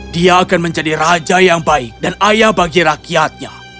dia akan menjadi raja yang baik dan ayah bagi rakyatnya